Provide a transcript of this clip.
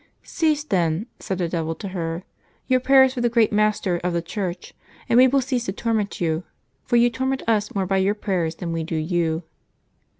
" Cease, then,'' said the devil to her, '^ your prayers to the great Master of the Church, and we will cease to torment you; for you torment us more by your prayers than we do you."